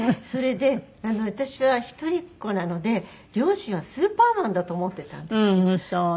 それで私は一人っ子なので両親はスーパーマンだと思ってたんです。